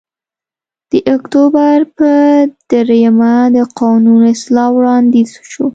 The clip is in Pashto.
د اکتوبر په درېیمه د قانون اصلاح وړاندیز وشو